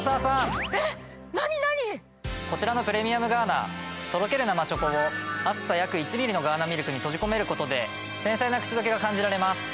こちらのプレミアムガーナとろける生チョコを厚さ約１ミリのガーナミルクに閉じ込めることで繊細な口どけが感じられます。